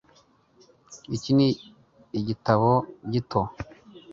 iki ni igitabo gito